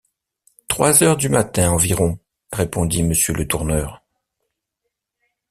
Trois heures du matin environ, répond Monsieur Letourneur.